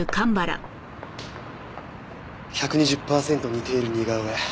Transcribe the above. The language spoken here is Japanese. １２０パーセント似ている似顔絵